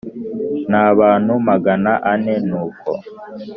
N abantu magana ane nuko